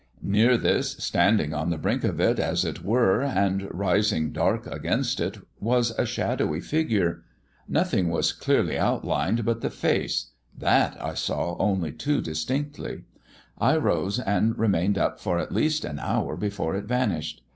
Near this, standing on the brink of it, as it were, and rising dark against it, was a shadowy figure. Nothing was clearly outlined but the face; that I saw only too distinctly. I rose and remained up for at least an hour before it vanished.